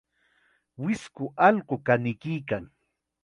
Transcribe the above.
Wisku allqu kanikuykan.